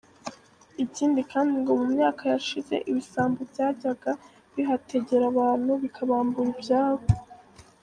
Ikindi kandi ngo mu myaka yashize, ibisambo byajyaga bihategera abantu bikabambura ibyabo.